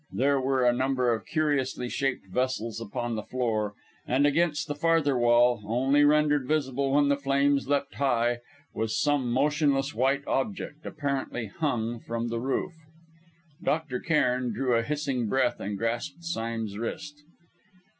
There were a number of curiously shaped vessels upon the floor, and against the farther wall, only rendered visible when the flames leapt high, was some motionless white object, apparently hung from the roof. Dr. Cairn drew a hissing breath and grasped Sime's wrist.